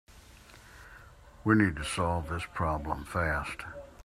We need to solve this problem fast.